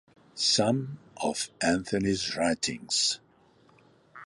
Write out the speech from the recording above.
Some of Anthony’s writings